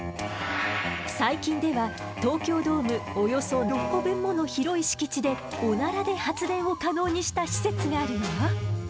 最近では東京ドームおよそ６個分もの広い敷地でオナラで発電を可能にした施設があるのよ。